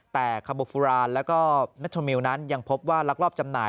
แต่คาโบฟุรานแล้วก็แมทโชมิลนั้นยังพบว่าลักลอบจำหน่า